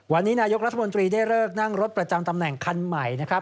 วันนี้นายกรัฐมนตรีได้เลิกนั่งรถประจำตำแหน่งคันใหม่นะครับ